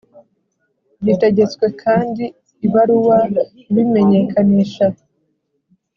Gitegetswe kandi ibaruwa ibimenyekanisha